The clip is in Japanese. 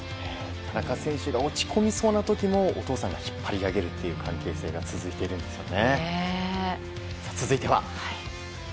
田中選手が落ち込みそうな時もお父さんが引っ張り上げるという関係性が続いているんですね。